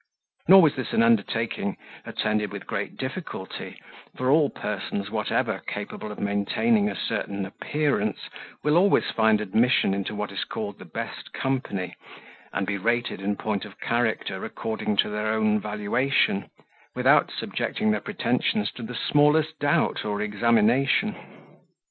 Nor was this an undertaking attended with great difficulty, for all persons whatever capable of maintaining a certain appearance, will always find admission into what is called the best company, and be rated in point of character according to their own valuation, without subjecting their pretensions to the smallest doubt or examination.